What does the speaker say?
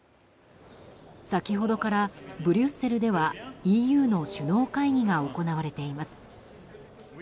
先ほどからブリュッセルではＥＵの首脳会議が行われています。